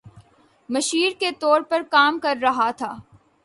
مشیر کے طور پر کام کر رہا تھا